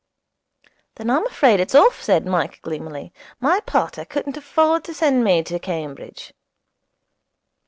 'Then I'm afraid it's off,' said Mike gloomily. 'My pater couldn't afford to send me to Cambridge.'